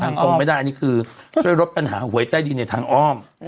คงไม่ได้อันนี้คือช่วยลดปัญหาหวยใต้ดินในทางอ้อม